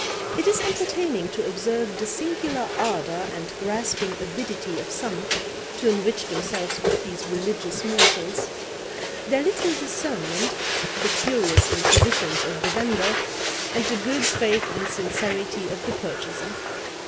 It is entertaining to observe the singular ardour and grasping avidity of some, to enrich themselves with these religious morsels; their little discernment, the curious impositions of the vendor, and the good faith and sincerity of the purchaser.